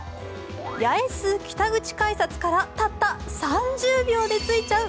八重洲北口改札からたった３０秒で着いちゃう